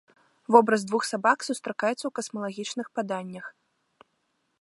Вобраз двух сабак сустракаецца ў касмалагічных паданнях.